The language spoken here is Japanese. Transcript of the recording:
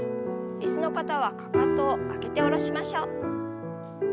椅子の方はかかとを上げて下ろしましょう。